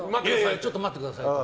ちょっと待ってくださいと。